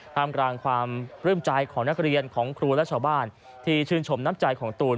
มกลางความปลื้มใจของนักเรียนของครูและชาวบ้านที่ชื่นชมน้ำใจของตูน